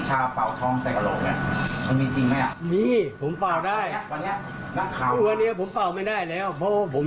อันนี้มันมันท่องได้แต่มันได้จิตไหม